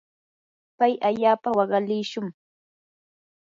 pay allaapa waqalishun.